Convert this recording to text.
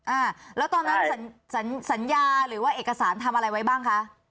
อ่าแล้วตอนนั้นสัญญาหรือว่าเอกสารทำอะไรไว้บ้างคะ